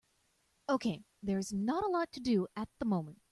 Okay, there is not a lot to do at the moment.